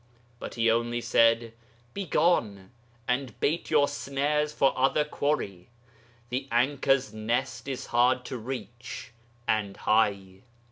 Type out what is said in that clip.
But he only said, "Begone, and bait your snares for other quarry; The 'Anka's nest is hard to reach and high."